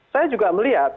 saya juga melihat